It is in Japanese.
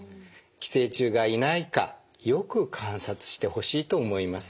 寄生虫がいないかよく観察してほしいと思います。